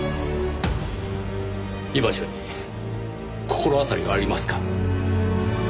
居場所に心当たりはありますか？